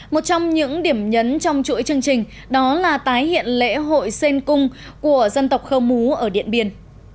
một trong những điểm nhấn trong chuỗi chương trình đó là tái hiện lễ hội sen cung của dân tộc khơ mú ở điện biên